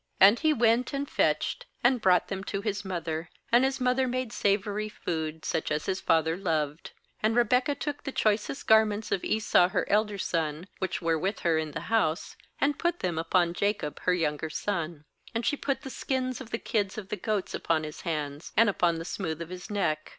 14And he went, and fetched, and brought them to his mother; and his mother made savoury food, such as his father loved. 15And Rebekah took the choicest garments of Esau her elder son, which were with her in the house, and put them upon Jacob her younger son. 16And she put the skins of the kids of the goats upon his hands, and upon the smooth of his neck.